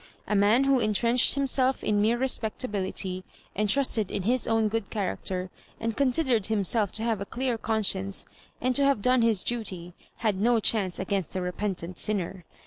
A man who intrenched himself in mere respectability, and trusted in his own good character, and considered hunself to have a clear conscience, and to have done his duty, had no chance against a repentant sinner.